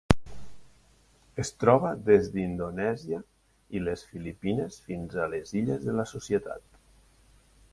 Es troba des d'Indonèsia i les Filipines fins a les Illes de la Societat.